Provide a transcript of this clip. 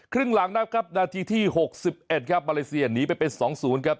ครึ่งหลังนะครับนาทีที่หกสิบเอ็ดครับมาเลเซียหนีไปเป็นสองศูนย์ครับ